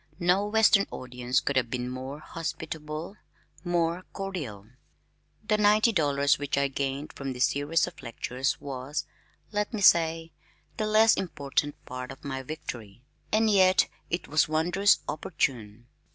No western audience could have been more hospitable, more cordial. The ninety dollars which I gained from this series of lectures was, let me say, the less important part of my victory, and yet it was wondrous opportune.